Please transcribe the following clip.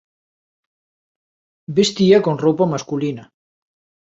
Vestía con roupa masculina.